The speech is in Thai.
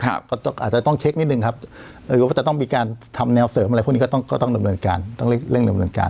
อาจจะต้องเช็คนิดนึงครับหรือว่าจะต้องมีการทำแนวเสิร์ฟอะไรพวกนี้ก็ต้องเร่งเริ่มรวมการ